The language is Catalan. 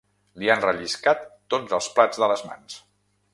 Li han relliscat tots els plats de les mans.